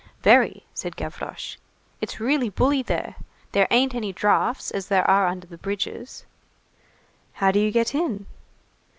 "Very," said Gavroche. "It's really bully there. There ain't any draughts, as there are under the bridges." "How do you get in?"